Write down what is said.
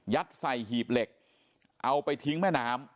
ใส่หีบเหล็กเอาไปทิ้งแม่น้ำ